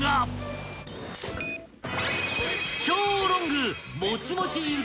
［超ロング］え！